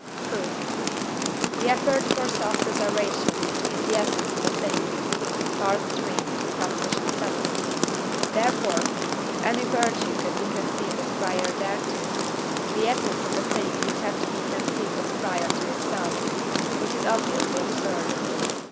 Proof. The effort for self preservation is the essence of a thing (III. vii.); therefore, if any virtue could be conceived as prior thereto, the essence of a thing would have to be conceived as prior to itself, which is obviously absurd.